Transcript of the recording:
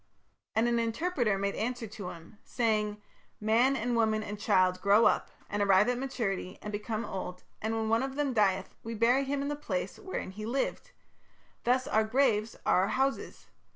And an interpreter made answer to him, saying: 'Man and woman and child grow up, and arrive at maturity, and become old, and when any one of them dieth we bury him in the place wherein he lived; thus our graves are our houses.